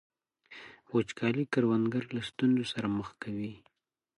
وچکالي کروندګر له ستونزو سره مخ کوي.